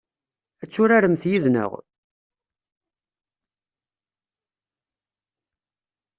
Ad turaremt yid-neɣ?